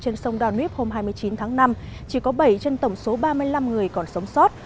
trên sông donets hôm hai mươi chín tháng năm chỉ có bảy trên tổng số ba mươi năm người còn sống sót